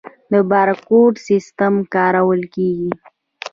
د بارکوډ سیستم کارول کیږي؟